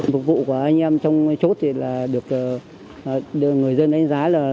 phục vụ của anh em trong chốt thì là được người dân đánh giá là